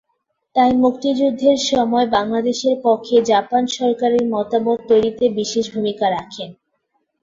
তাই মুক্তিযুদ্ধের সময় বাংলাদেশের পক্ষে জাপান সরকারের মতামত তৈরিতে বিশেষ ভূমিকা রাখেন।